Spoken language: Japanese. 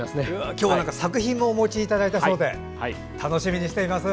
今日は作品もお持ちいただいたそうで楽しみにしています。